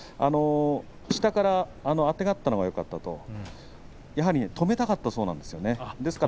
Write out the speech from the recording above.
下からあてがったのはよかったやはり止めたかったそうです。